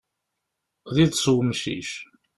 D iḍes n umcic.